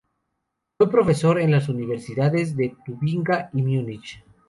Fue profesor en las universidades de Tubinga y Múnich.